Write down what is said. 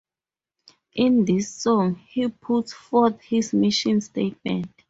In this song, he puts forth his mission statement.